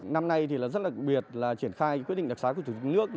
năm nay thì rất đặc biệt là triển khai quyết định đặc sái của thủ tướng nước